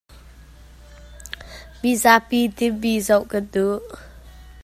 Mizapi thimmi zoh kan duh.